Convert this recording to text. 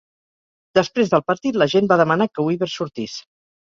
Després del partit, la gent va demanar que Weaver sortís.